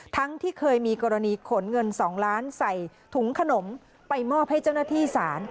ที่เคยมีกรณีขนเงิน๒ล้านใส่ถุงขนมไปมอบให้เจ้าหน้าที่ศาล